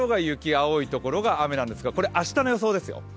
青いところが雨なんですがこれ明日の予想ですよ。